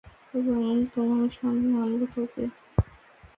এবং তোমার সামনে আনবো তাকে।